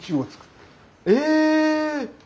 え！